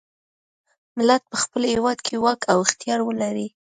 ملت په خپل هیواد کې واک او اختیار ولري.